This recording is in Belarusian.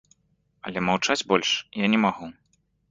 Але маўчаць больш я не магу.